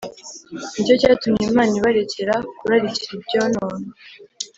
Ni cyo cyatumye Imana ibarekera kurarikira ibyonona